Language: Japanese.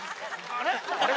あれ？